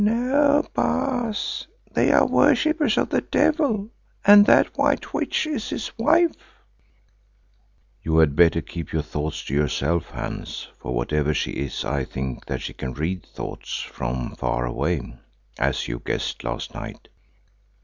"No, Baas, they are worshippers of the devil and that White Witch is his wife." "You had better keep your thoughts to yourself, Hans, for whatever she is I think that she can read thoughts from far away, as you guessed last night.